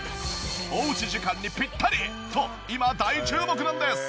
おうち時間にピッタリと今大注目なんです。